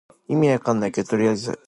意味わかんないけどとりあえずやる